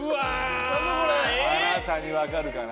あなたに分かるかな？